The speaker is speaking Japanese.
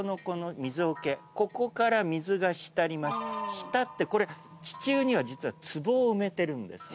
したってこれ地中には実はつぼを埋めてるんです。